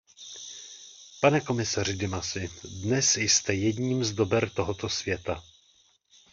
Pane komisaři Dimasi, dnes jste jedním z dober tohoto světa.